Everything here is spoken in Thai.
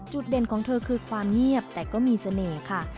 เด่นของเธอคือความเงียบแต่ก็มีเสน่ห์ค่ะ